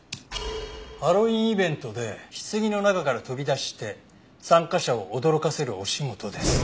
「ハロウィーンイベントで棺の中から飛び出して参加者を驚かせるお仕事です」